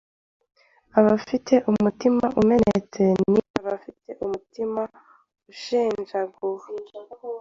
abafite umutima umenetse” n’ “abafite umutima ushenjaguwe.